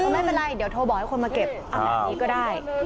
คือไม่เป็นไรเดี๋ยวโทรบอกให้คนมาเก็บเอาแบบนี้ก็ได้